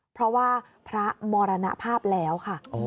เพราะว่าพระมรณภาพแล้วค่ะ